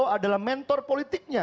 prabowo adalah mentor politiknya